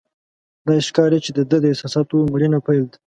داسې ښکاري چې د ده د احساساتو مړینه پیل ده.